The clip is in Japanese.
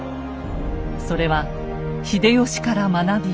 それは秀吉から学び